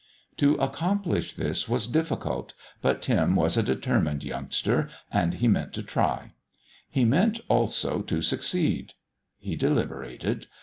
To accomplish this was difficult; but Tim was a determined youngster, and he meant to try; he meant, also, to succeed. He deliberated.